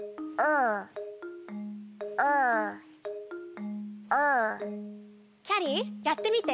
“ｒ”．“ｒ”．“ｒ”．きゃりーやってみて。